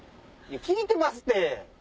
聞いてますて！